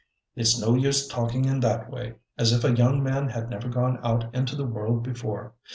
"It's no use talking in that way, as if a young man had never gone out into the world before.